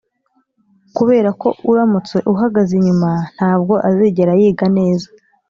kuberako uramutse uhagaze inyuma ntabwo azigera yiga neza